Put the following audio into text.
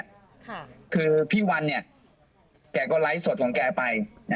ค่ะคือพี่วันเนี่ยแกก็ไลฟ์สดของแกไป